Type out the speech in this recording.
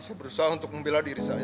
saya berusaha untuk membela diri saya